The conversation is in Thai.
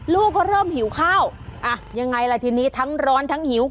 ลูกก็เริ่มหิวข้าวอ่ะยังไงล่ะทีนี้ทั้งร้อนทั้งหิว